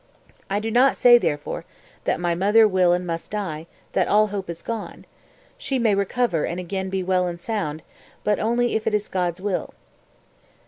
I do not say, therefore, that my mother will and must die, that all hope is gone; she may recover and again be well and sound, but only if it is God's will."